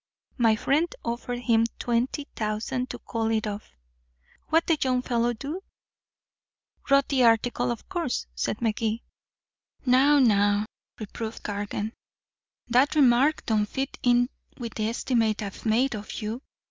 My friend offered him twenty thousand to call it off. What'd the young fellow do?" "Wrote the article, of course," said Magee. "Now now," reproved Cargan. "That remark don't fit in with the estimate I've made of you.